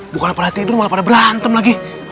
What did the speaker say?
bukan pada tidur malah pada berantem lagi